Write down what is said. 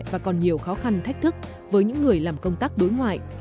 và còn nhiều khó khăn thách thức với những người làm công tác đối ngoại